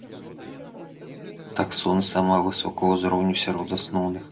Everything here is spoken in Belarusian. Таксон самага высокага ўзроўню сярод асноўных.